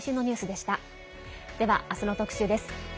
では明日の特集です。